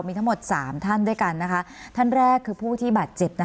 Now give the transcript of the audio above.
มีทั้งหมด๓ท่านด้วยกันท่านแรกคือผู้ที่บาดเจ็บ